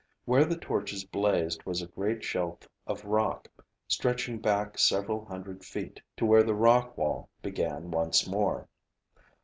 Where the torches blazed was a great shelf of rock, stretching back several hundred feet to where the rock wall began once more.